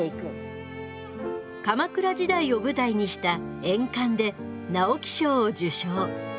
鎌倉時代を舞台にした「炎環」で直木賞を受賞。